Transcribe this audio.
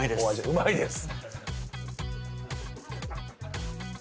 「うまいです」。